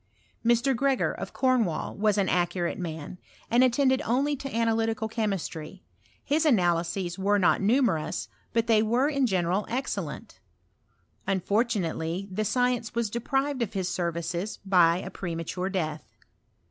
Mr. Gregor, of Cornwall, was an accurate man, and attended only to analytical chemistry : his analyses were not numerous, but they were in general excel lent. Unfortunately the science was deprived of his services by a premature death.